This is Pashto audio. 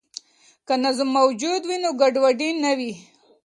که نظم موجود وي، نو ګډوډي نه وي.